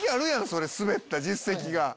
それスベった実績が。